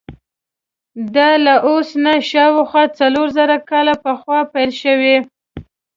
دا له اوس نه شاوخوا څلور زره کاله پخوا پیل شوی.